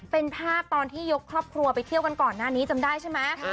เป็นภาพตอนที่ยกครอบครัวไปเที่ยวกันก่อนหน้านี้จำได้ใช่ไหม